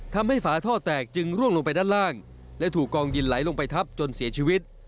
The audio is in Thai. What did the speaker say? ฝาท่อแตกจึงร่วงลงไปด้านล่างและถูกกองดินไหลลงไปทับจนเสียชีวิต